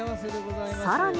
さらに。